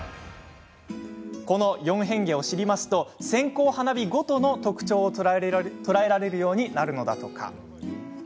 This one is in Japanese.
この４変化を知ると線香花火ごとの特徴を捉えられるようになるのだとか。